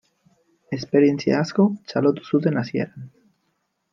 Esperientzia asko txalotu zuten hasieran.